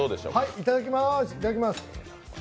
いただきます。